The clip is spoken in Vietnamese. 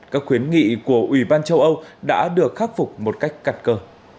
các khuyến nghị của ủy ban châu âu đã được khắc phục một cách cặt cơ